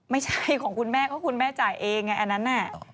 ไม่ใช่ของคุณแม่เพราะคุณแม่จ่ายเองไงอันนั้นน่ะ